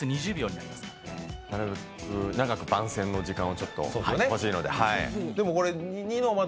なるべく長く、番宣の時間が欲しいので。